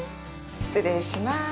失礼します。